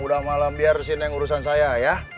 sudah malam biar si neng urusan saya ya